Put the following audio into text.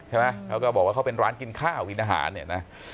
เขาก็บอกว่าเขาเป็นร้านกินข้าวกินอาหารเนี่ยนะ